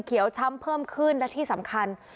ช้ำเพิ่มขึ้นและที่สำคัญ